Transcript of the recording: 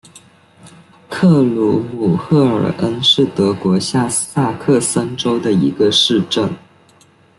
克鲁姆赫尔恩是德国下萨克森州的一个市镇。